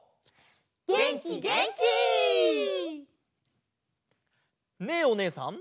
げんきげんき！ねえおねえさん